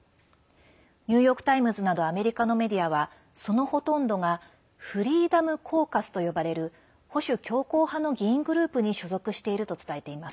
ニューヨーク・タイムズなどアメリカのメディアはそのほとんどがフリーダム・コーカスと呼ばれる保守強硬派の議員グループに所属していると伝えています。